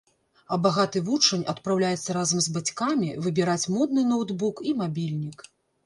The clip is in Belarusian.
А багаты вучань адпраўляецца разам з бацькамі выбіраць модны ноўтбук і мабільнік.